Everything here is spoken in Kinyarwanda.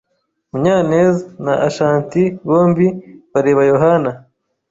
Munyanezna Ashanti bombi bareba Yohana.